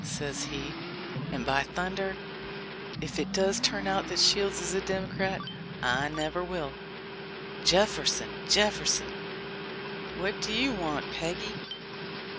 says he; "and by thunder! if it does turn out that Shields is a Democrat, I never will"— "Jefferson ! Jefferson !" "What do you want, Peggy?"